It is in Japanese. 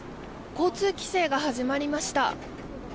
交通規制が始まりました。